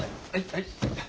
はい。